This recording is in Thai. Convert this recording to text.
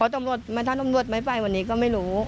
ถ้าตำรวจไม่ไปวันนี้ก็ไม่รู้